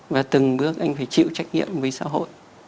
và từng bước anh phải chịu trách nhiệm với xã hội